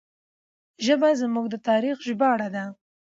ژبه زموږ د تاریخ ژباړه ده.